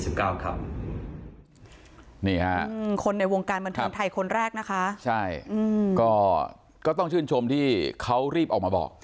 นี่ค่ะคนในวงการบันเทิงไทยคนแรกนะคะใช่อืมก็ก็ต้องชื่นชมที่เขารีบออกมาบอก